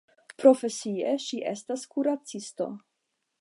Profesie ŝi estas kuracisto.